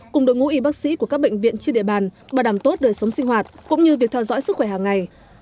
cùng đội ngũ y bác sĩ của các bệnh viện trên địa bàn bảo đảm tốt đời sống sinh hoạt cũng như việc theo dõi sức khỏe hàng ngày